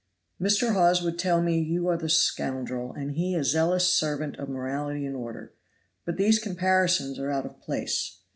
"Mr. Hawes would tell me you are the scoundrel and he a zealous servant of morality and order; but these comparisons are out of place.